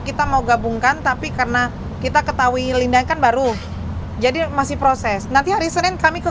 kita mau gabungkan tapi karena kita ketahui linda kan baru jadi masih proses nanti hari senin kami ke